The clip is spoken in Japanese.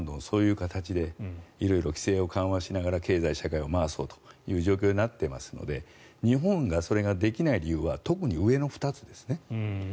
海外がどんどんそういう形で色々規制を緩和しながら経済社会を回そうという状況になっていますから日本が特にそれができない理由は上の２つですね。